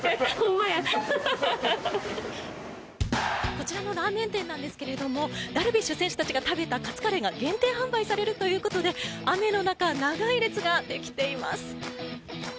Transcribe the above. こちらのラーメン店なんですけれどもダルビッシュ選手たちが食べたカツカレーが限定販売されるということで雨の中、長い列ができています。